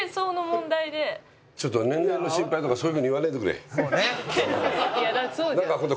ちょっと年齢の心配とかそういうふうに言わないでくれ。